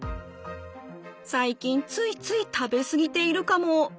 最近ついつい食べ過ぎているかも。